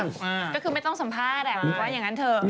ก็คือไม่ต้องสัมภาษณ์